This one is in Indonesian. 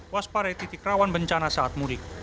waspare titik rawan bencana saat mudik